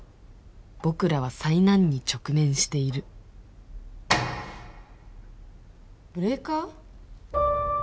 僕らは災難に直面しているブレーカー？